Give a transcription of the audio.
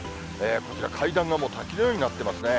こちら、階段がもう滝のようになってますね。